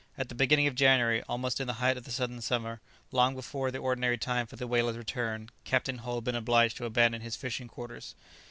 At the beginning of January, almost in the height of the southern summer, long before the ordinary time for the whalers' return, Captain Hull had been obliged to abandon his fishing quarters.